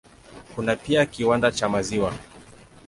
Kuna pia kiwanda cha maziwa.